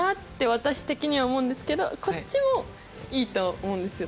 私的には思うんですけどこっちもいいと思うんですよ。